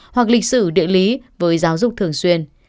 hoặc lịch sử địa lý với giáo dục thường xuyên